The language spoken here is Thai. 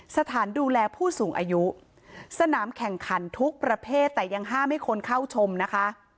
สถานดูแลผู้สูงอายุสนามแข่งขันทุกประเภทแต่ยังห้ามให้คนเข้าชมนะคะ